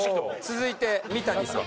続いて三谷さん。